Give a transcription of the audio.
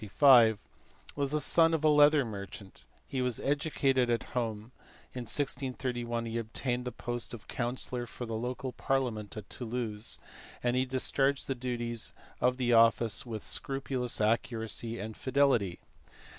12, 1665, was the son of a leather merchant; he was educated at home; in 1631 he obtained the post of councillor for the local parliament at Toulouse, and he discharged the duties or the office with scrupulous accuracy and fidelity.